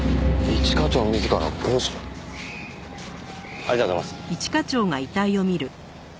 ありがとうございます。